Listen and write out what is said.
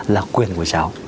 là quyền của cháu